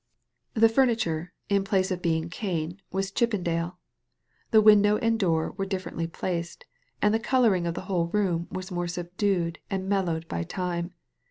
The furniture, in place of beings cane, was Chippendale ; the window and door were differently placed; and the colouring of the whole room was more subdued and mellowed by Time.